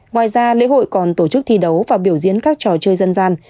ngoài ra lễ hội còn tổ chức thi đấu và biểu diễn các trò chơi dân gian